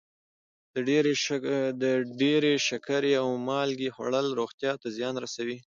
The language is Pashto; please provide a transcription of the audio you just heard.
د ډېرې شکرې او مالګې خوړل روغتیا ته زیان رسوي.